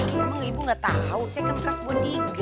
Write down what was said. emang ibu gak tau saya kan kas buat digap